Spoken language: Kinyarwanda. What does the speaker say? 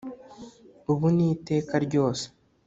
ubu n’iteka ryose.